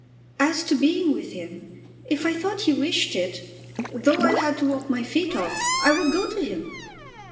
"As to being with him, if I thought he wished it, though I had to walk my feet off, I would go to him."